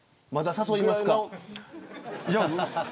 まだ誘いますか。